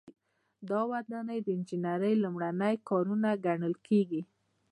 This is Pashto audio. دا ودانۍ د انجنیری لومړني کارونه ګڼل کیږي.